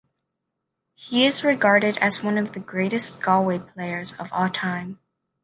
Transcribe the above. He is regarded as one of the greatest Galway players of all-time.